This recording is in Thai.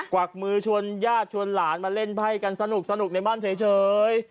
วักมือชวนญาติชวนหลานมาเล่นไพ่กันสนุกในบ้านเฉย